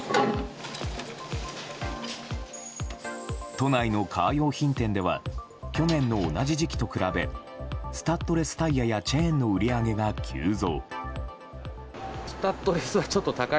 都内のカー用品店では去年の同じ時期と比べスタッドレスタイヤやチェーンの売り上げが急増。